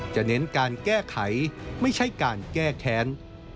เน้นการแก้ไขไม่ใช่การแก้แค้น